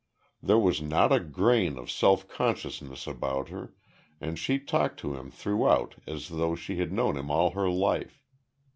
There was not a grain of self consciousness about her, and she talked to him throughout as though she had known him all her life.